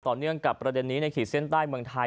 เนื่องกับประเด็นนี้ในขีดเส้นใต้เมืองไทย